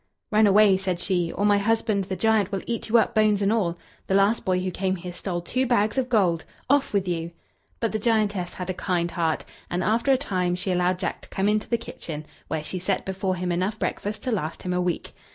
"Run away," said she, "or my husband the giant will eat you up, bones and all. The last boy who came here stole two bags of gold off with you!" But the giantess had a kind heart, and after a time she allowed Jack to come into the kitchen, where she set before him enough breakfast to last him a week.